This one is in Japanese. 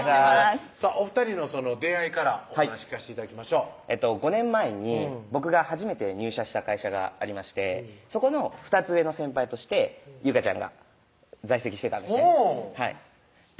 さぁお２人の出会いからお話聞かせて頂きましょう５年前に僕が初めて入社した会社がありましてそこの２つ上の先輩として有果ちゃんが在籍してたんですねで